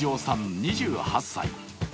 ２８歳。